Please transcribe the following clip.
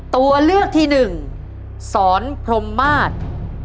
ตัวเลือกที่หนึ่งสรพมาคร